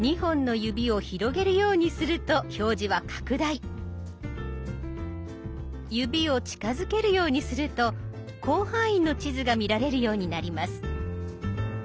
指を近づけるようにすると広範囲の地図が見られるようになります。